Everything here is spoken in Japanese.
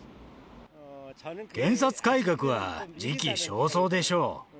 検察改革は時期尚早でしょう。